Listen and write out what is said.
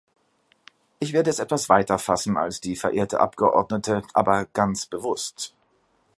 Ich werde es etwas weiter fassen als die verehrte Abgeordnete, aber ganz bewusst.